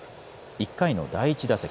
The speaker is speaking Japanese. １回の第１打席。